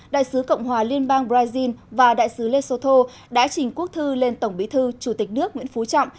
đại sứ cộng hòa liên bang brazil và đại sứ lesoto đã trình quốc thư lên tổng bí thư chủ tịch nước nguyễn phú trọng